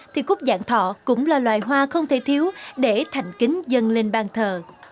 thì cúc vạn thọ cũng là loài hoa không thể thiếu để thành kính dân lên ban thờ